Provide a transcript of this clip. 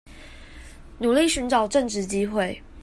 努力尋找正職機會